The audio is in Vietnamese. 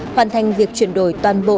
hoàn thành việc chuyển đổi toàn bộ